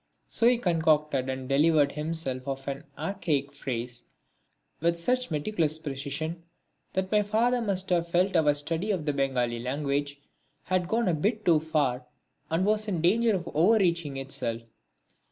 So he concocted and delivered himself of an archaic phrase with such meticulous precision that my father must have felt our study of the Bengali language had gone a bit too far and was in danger of over reaching itself.